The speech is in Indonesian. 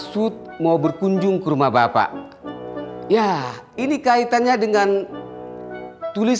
saya atasan selfie pak jadi begini pak rijal jadi begini pak rijal